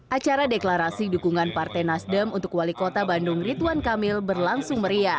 acara deklarasi dukungan partai nasdem untuk wali kota bandung ridwan kamil berlangsung meriah